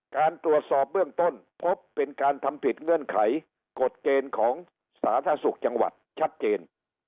การตรวจสอบเบื้องต้นพบเป็นการทำผิดเงื่อนไขกฎเกณฑ์ของสาธารณสุขจังหวัดชัดเจน